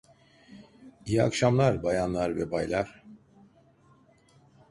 İyi akşamlar bayanlar ve baylar.